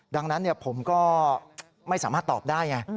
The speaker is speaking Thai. ดังนั้นผมก็ไม่สามารถตอบได้ไง